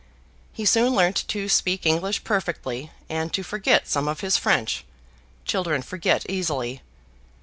He soon learnt to speak English perfectly, and to forget some of his French: children forget easily.